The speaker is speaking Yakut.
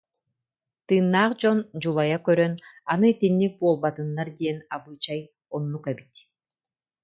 Тыыннаах дьон дьулайа көрөн, аны итинник буолбатыннар диэн абыычай оннук эбит